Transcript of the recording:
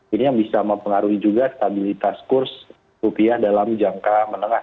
ini yang bisa mempengaruhi juga stabilitas kurs rupiah dalam jangka menengah